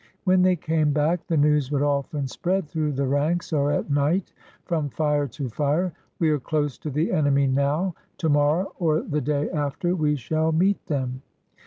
When they came back the news would often spread through the ranks or at night from fire to fire: "We are close to the enemy now; to morrow or the day after we shall meet them."